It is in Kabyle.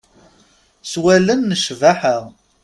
S wallen n ccbaḥa.